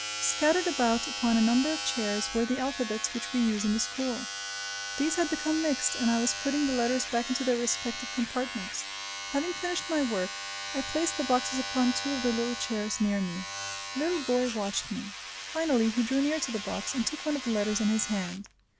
Scattered about upon a number of chairs, were the alphabets which we use in the school. These had become mixed, and I was putting the letters back into their respective compartments. Having finished my work, I placed the boxes upon two of the little chairs near me. The little boy watched me. Finally, he drew near to the box, and took one of the letters in his hand.